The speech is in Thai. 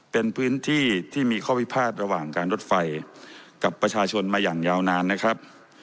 เป็นพื้นที่ที่มีข้อพิพาทระหว่างการรถไฟกับประชาชนมาอย่างยาวนานนะครับ